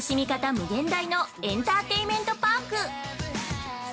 無限大のエンターテインメントパーク。